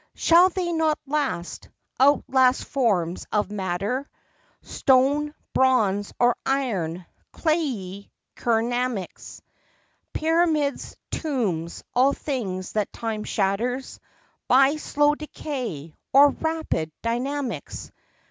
Shall they not last ?—out last forms of matter— Stone, bronze, or iron; clayey keramics ; Pyramids, tombs—all things that time shatters By slow decay, or rapid dynamics